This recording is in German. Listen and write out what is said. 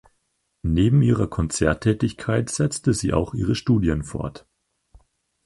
Neben ihrer Konzerttätigkeit setzte sie auch ihre Studien fort.